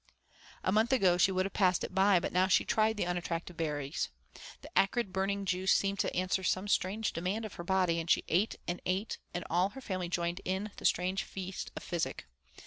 A month ago she would have passed it by, but now she tried the unattractive berries. The acrid burning juice seemed to answer some strange demand of her body; she ate and ate, and all her family joined in the strange feast of physic.